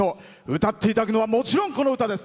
歌っていただくのはもちろん、この歌です。